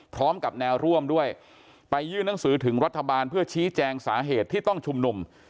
พร้อมกับแนวร่วมด้วยไปยื่นหนังสือถึงรัฐบาลเพื่อชี้แจงสาเหตุที่ต้องชุมนุม